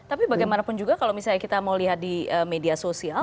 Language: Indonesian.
tapi bagaimanapun juga kalau misalnya kita mau lihat di media sosial